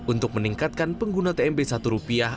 untuk meningkatkan pengguna tmb satu rupiah